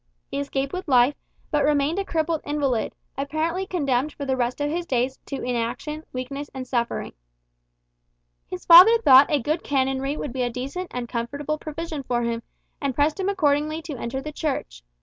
He escaped with life, but remained a crippled invalid, apparently condemned for the rest of his days to inaction, weakness, and suffering. His father thought a good canonry would be a decent and comfortable provision for him, and pressed him accordingly to enter the Church.